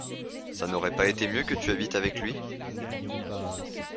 Ça n’aurait pas été mieux que tu habites avec lui?